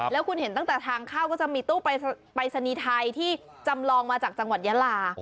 แล้วคุณเห็นตั้งแต่ทางเข้าก็จะมีตู้ปรายศนีย์ไทยที่จำลองมาจากจังหวัดยาลา